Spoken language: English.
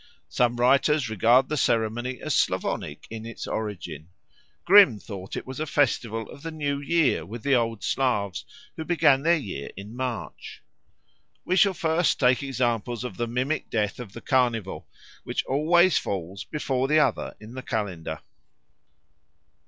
Some writers regard the ceremony as Slavonic in its origin. Grimm thought it was a festival of the New Year with the old Slavs, who began their year in March. We shall first take examples, of the mimic death of the Carnival, which always falls before the other in the calendar.